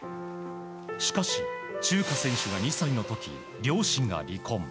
しかし、チューカ選手が２歳の時両親が離婚。